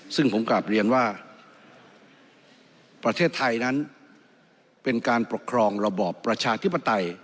ซึ่งผมกลับเรียนว่าประเทศไทยนั้นเป็นการปกครองระบอบประชาธิปไตย